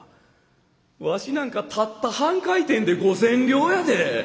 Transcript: わしなんかたった半回転で五千両やで！